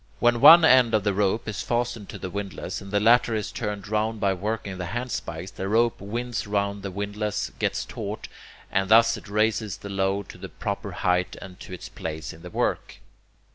When one end of the rope is fastened to the windlass, and the latter is turned round by working the handspikes, the rope winds round the windlass, gets taut, and thus it raises the load to the proper height and to its place in the work.